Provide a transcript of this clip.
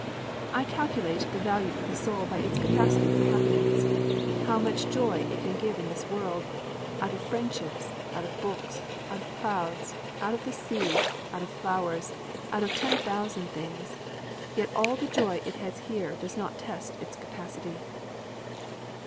I calculate the value of the soul by its capacity for happiness. How much joy it can get in this world out of friendships, out of books, out of clouds, out of the sea, out of flowers, out of ten thousand things! Yet all the joy it has here does not test its capacity.